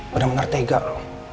padahal menertega loh